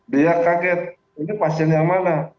dia kaget ini pasien yang mana